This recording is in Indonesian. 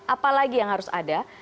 apa lagi yang harus ada